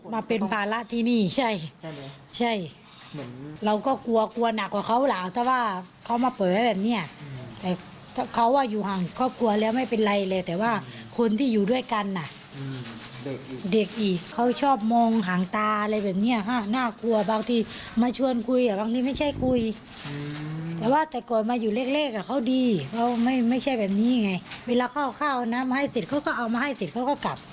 มาเป็นภาระที่นี่ใช่ใช่เราก็กลัวกลัวหนักกว่าเขาล่ะถ้าว่าเขามาเผลอแบบเนี้ยแต่ถ้าเขาว่าอยู่ห่างครอบครัวแล้วไม่เป็นไรเลยแต่ว่าคนที่อยู่ด้วยกันอ่ะเด็กอีกเขาชอบมองหางตาอะไรแบบเนี้ยค่ะน่ากลัวบางทีมาชวนคุยอ่ะบางทีไม่ใช่คุยแต่ว่าแต่ก่อนมาอยู่แรกเขาดีเขาไม่ใช่แบบนี้ไงเวลาเข้าข้าวน้ำมาให้เสร็จเขาก็เอามาให้เสร็จเขาก็กลับ